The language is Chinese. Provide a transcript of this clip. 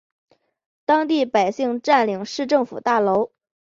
当地百姓占领市政府大楼。